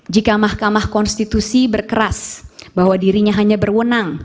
jika mahkamah konstitusi berkeras bahwa dirinya hanya berwenang